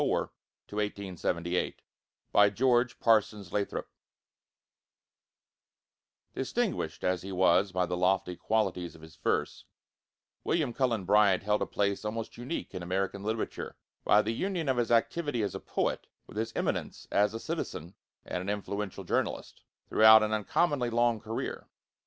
WILLIAM CULLEN BRYANT (1794 1878) BY GEORGE PARSONS LATHROP Distinguished as he was by the lofty qualities of his verse, William Cullen Bryant held a place almost unique in American literature, by the union of his activity as a poet with his eminence as a citizen and an influential journalist, throughout an uncommonly long career.